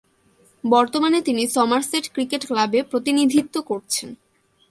বর্তমানে তিনি Somerset cricket ক্লাবে প্রতিনিধিত্ব করছেন।